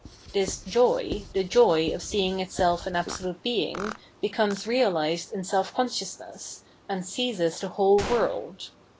TMs joy, the joy of seeing itseH in Absolute Benig, becomes realised in self con sciousness, and seizes the whole world.